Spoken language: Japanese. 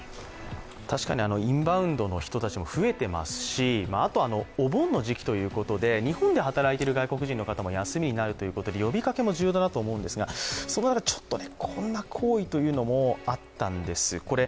確かにインバウンドの人たちも増えていますし、あとは、お盆の時期ということで日本で働いている外国人の方も休みになるということで呼びかけも重要だなと思うんですがその中で、ちょっとこんな行為というのもあったんです。